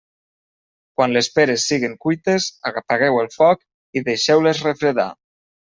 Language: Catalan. Quan les peres siguin cuites, apagueu el foc i deixeu-les refredar.